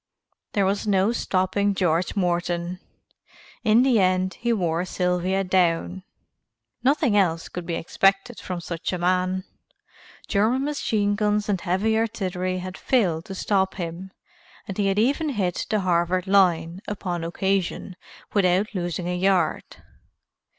There was no stopping George Morton. In the end he wore Sylvia down. Nothing else could be expected from such a man. German machine guns and heavy artillery had failed to stop him and he had even hit the Harvard line, upon occasion, without losing a yard.